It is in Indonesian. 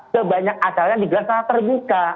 sebanyak acara yang digelar sangat terbuka